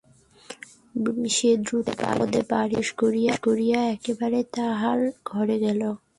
সে দ্রুতপদে বাড়িতে প্রবেশ করিয়াই একেবারে তাহার ঘরে গেল।